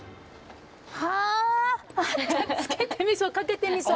つけてみそかけてみそ。